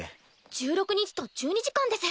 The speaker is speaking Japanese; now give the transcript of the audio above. １６日と１２時間です。